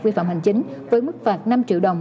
vi phạm hành chính với mức phạt năm triệu đồng